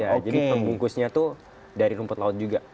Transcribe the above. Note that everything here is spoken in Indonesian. jadi pembungkusnya tuh dari rumput laut juga